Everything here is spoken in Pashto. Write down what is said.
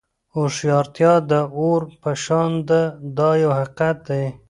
هوښیارتیا د اور په شان ده دا یو حقیقت دی.